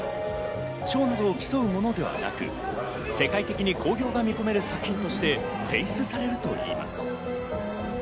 賞などを競うものではなく、世界的に興行が見込める作品として選出されるといいます。